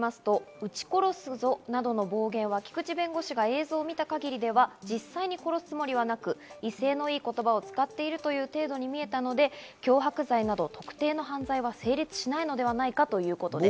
「うち殺すぞ」などの暴言は菊地弁護士が映像を見た限りでは実際に殺すつもりはなく、威勢のいい言葉を使っているという程度に見えたので、脅迫罪など特定の犯罪は成立しないのではないかということです。